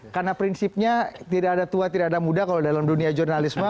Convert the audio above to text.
karena prinsipnya tidak ada tua tidak ada muda kalau dalam dunia jurnalisme